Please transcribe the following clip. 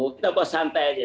kita bawa santai saja